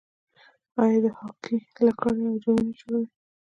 آیا د هاکي لکړې او جامې نه جوړوي؟